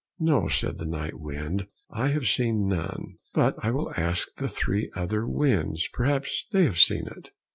"No," said the night wind, "I have seen none, but I will ask the three other winds, perhaps they have seen it."